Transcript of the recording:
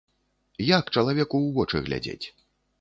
Як чалавеку ў вочы глядзець?